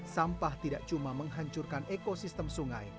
sampah tidak cuma menghancurkan ekosistem sungai